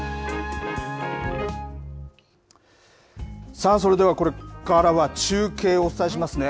さあ、それではこれからは中継をお伝えしますね。